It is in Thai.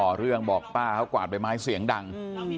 หรือพี่ช่วยเองบ้าง